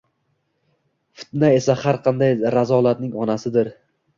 Fitna esa har qanday razolatning onasidir.